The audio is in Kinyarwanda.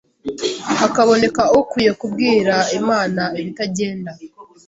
hakaboneka ukwiye kubwira Imana ibitagenda